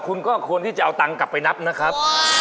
คุณก็ควรที่จะเอาตังค์กลับไปนับนะครับ